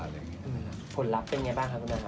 ผลลัพธ์เป็นยังไงบ้างค่ะคุณนัทฮะ